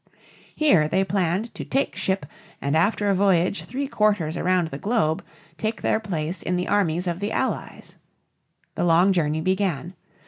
Here they planned to take ship and after a voyage three quarters around the globe take their place in the armies of the Allies. The long journey began.